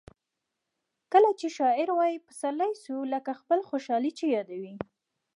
کله چي شاعر وايي پسرلی سو؛ لکه خپله خوشحالي چي یادوي.